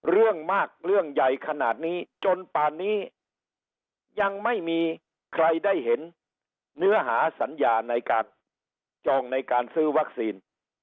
เรื่องมากเรื่องใหญ่ขนาดนี้จนป่านนี้ยังไม่มีใครได้เห็นเนื้อหาสัญญาในการจองในการซื้อวัคซีน